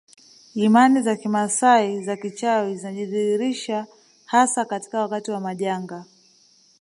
Imani za kimaasai za kichawi zinajidhihirisha hasa katika wakati wa majanga